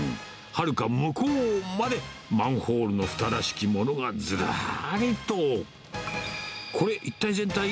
はるか向こうまで、マンホールのふたらしきものがずらりと。